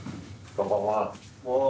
こんばんは。